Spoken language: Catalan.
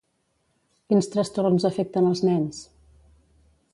Quins trastorns afecten els nens?